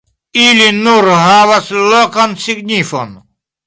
Ili nur havas lokan signifon.